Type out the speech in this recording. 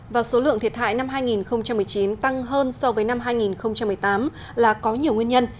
và số lượng thiệt hại năm hai nghìn một mươi chín tăng hơn so với năm hai nghìn một mươi tám là có nhiều nguyên nhân